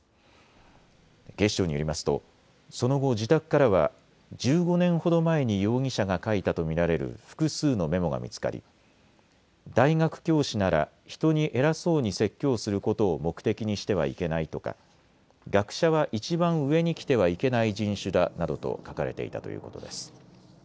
警視庁によりますと、その後自宅からは１５年ほど前に容疑者が書いたと見られる複数のメモが見つかり大学教師なら人に偉そうに説教することを目的にしてはいけないとか学者はいちばん上にきてはいけない人種だなどと書かれていたということです。